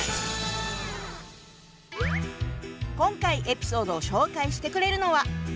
今回エピソードを紹介してくれるのは。